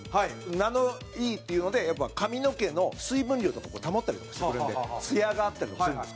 ナノイーっていうので髪の毛の水分量とか保ったりとかしてくれるんでツヤがあったりとかするんです。